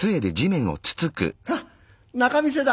あっ仲見世だ」。